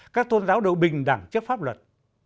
các tôn giáo đều bình đẳng trước pháp luật